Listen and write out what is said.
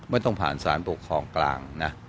ไม่ต้องผ่านสารปกครองกลางนะ